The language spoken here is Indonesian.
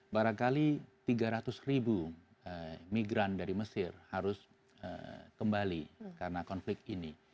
barangkali tiga ratus ribu migran dari mesir harus kembali karena konflik ini